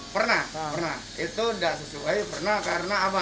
pernah pernah itu tidak sesuai pernah karena apa